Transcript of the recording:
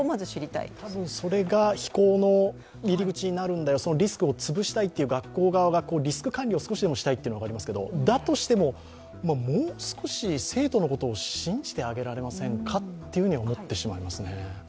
たぶん、それが非行の入り口になるんだよ、リスクを潰したいという学校側がリスク管理を少しでもしたいというのがありますが、だとしても、もう少し生徒のことを信じてあげられませんかと思ってしまいますね。